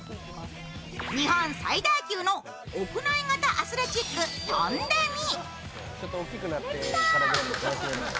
日本最大級の屋内型アスレチック、トンデミ。